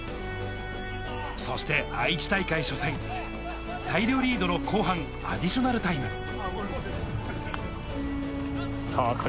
そして愛知大会初戦、大量リードの後半、アディショナルタイム。